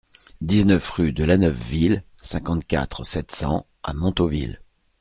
dix-neuf rue de Laneuveville, cinquante-quatre, sept cents à Montauville